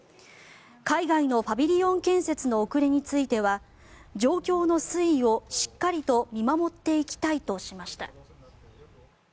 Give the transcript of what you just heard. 海外のパビリオン建設の遅れについては状況の推移をしっかりと見守っていきたいとしました。